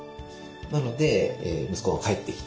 なので息子が帰ってきた。